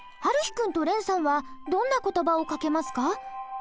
君とれんさんはどんな言葉をかけますか？